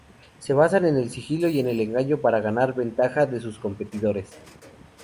Se basan en el sigilo y el engaño para ganar ventaja sobre sus competidores.